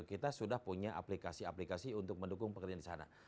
kita sudah punya aplikasi aplikasi untuk mendukung pekerjaan di sana